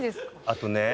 あとね